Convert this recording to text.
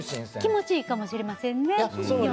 気持ちいいかもしれませんね。